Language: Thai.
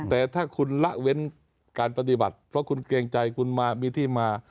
แต่ถ้าคุณละเว้นการปฏิบัติเพราะคุณเกรงใจคุณมามีที่มา